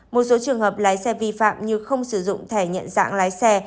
một số trường hợp lái xe vi phạm như không sử dụng thẻ nhận dạng lái xe